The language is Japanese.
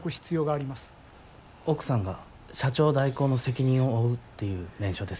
奥さんが社長代行の責任を負うっていう念書です。